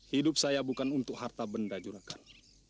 hidup saya bukan untuk harta benda juragan